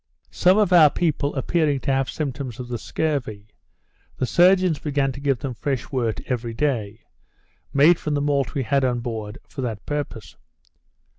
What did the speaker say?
Some of our people appearing to have symptoms of the scurvy, the surgeons began to give them fresh wort every day, made from the malt we had on board for that purpose.